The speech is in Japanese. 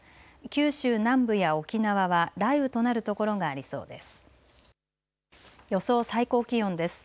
九州南部や沖縄は雷雨となる所がありそうです。